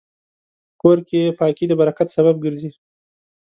په کور کې پاکي د برکت سبب ګرځي.